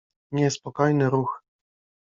niespokojny ruch.